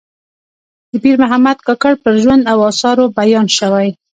د پیر محمد کاکړ پر ژوند او آثارو بیان شوی.